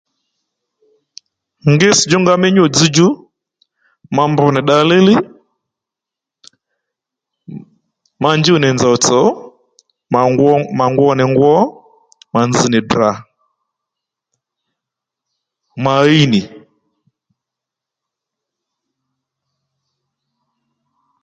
Ngíss djúnga mí nyû dzzdjú ma mbr nì dda líylíy ma njúw nì nzòw tsò mà ngwo nì ngwo mà nzz nì Ddrà ma ɦíy nì